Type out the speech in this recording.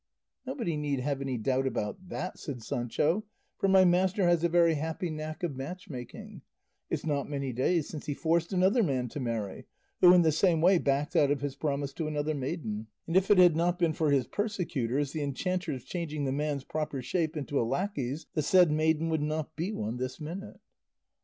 "Nobody need have any doubt about that," said Sancho, "for my master has a very happy knack of matchmaking; it's not many days since he forced another man to marry, who in the same way backed out of his promise to another maiden; and if it had not been for his persecutors the enchanters changing the man's proper shape into a lacquey's the said maiden would not be one this minute."